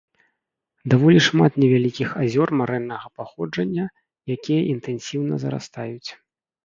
Даволі шмат невялікіх азёр марэннага паходжання, якія інтэнсіўна зарастаюць.